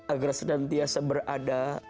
agar senantiasa berada